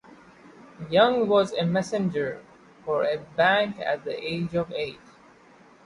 Young was a messenger for a bank at the age of eight.